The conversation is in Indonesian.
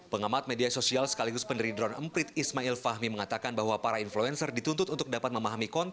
pengamat media sosial sekaligus pendiri drone emprit ismail fahmi mengatakan bahwa para influencer dituntut untuk dapat memahami kondisi